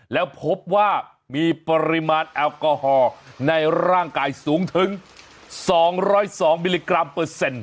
แล้วพบว่ามีปริมาณแอลกอฮอล์ในร่างกายสูงถึง๒๐๒มิลลิกรัมเปอร์เซ็นต์